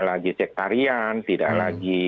lagi sektarian tidak lagi